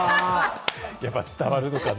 やっぱ伝わるのかな？